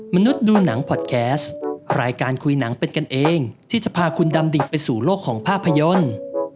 มนุษย์ดูหนังพอดแคสต์รายการคุยหนังเป็นกันเองที่จะพาคุณดำดิไปสู่โลกของภาพยนตร์